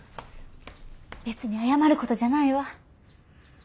別に謝ることじゃないわ。